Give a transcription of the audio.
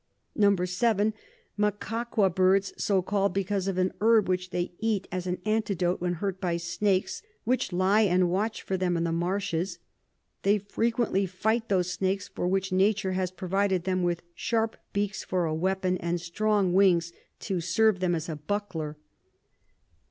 7. Macaqua Birds, so call'd because of an Herb which they eat as an Antidote when hurt by Snakes, which lie and watch for them in the Marshes. They frequently fight those Snakes, for which Nature has provided them with sharp Beaks for a Weapon, and strong Wings to serve them as a Buckler.